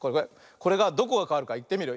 これがどこがかわるかいってみるよ。